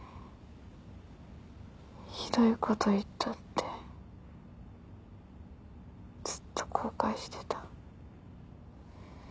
「ひどいこと言った」ってずっと後悔してた。